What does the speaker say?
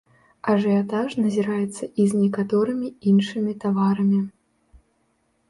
Ажыятаж назіраецца і з некаторымі іншымі таварамі.